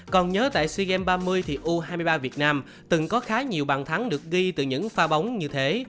còn nhớ tại sea games ba mươi thì u hai mươi ba việt nam từng có khá nhiều bàn thắng được ghi từ những pha bóng như thế